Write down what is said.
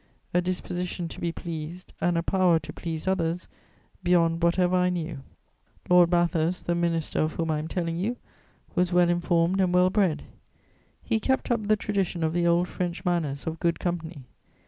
A disposition to be pleased, and a power to please others beyond whatever I knew." Lord Bathurst, the minister of whom I am telling you, was well informed and well bred; he kept up the tradition of the old French manners of good company.